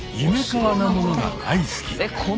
なものが大好き。